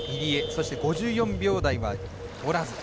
そして５４秒台はおらず。